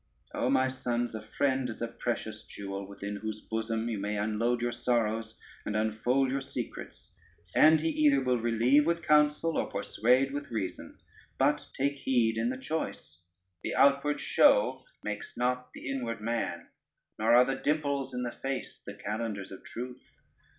O my sons, a friend is a precious jewel, within whose bosom you may unload your sorrows and unfold your secrets, and he either will relieve with counsel, or persuade with reason: but take heed in the choice: the outward show makes not the inward man, nor are the dimples in the face the calendars of truth.